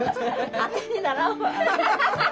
当てにならんわ。